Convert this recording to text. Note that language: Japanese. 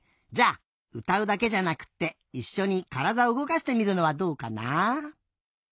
じゃあうたうだけじゃなくっていっしょにからだうごかしてみるのはどうかな。